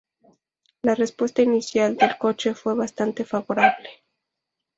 La respuesta inicial del coche fue bastante favorable.